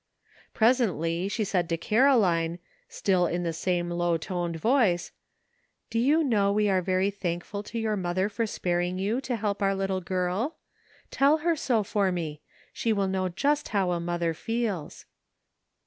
Presently she said to Caroline, still in the same low toned voice :" Do you know we are very thankful to your mother for sparing you LEARNING. 245 to help our little girl ? Tell her so for me ; she will know just how a mother feels."